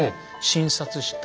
診察した。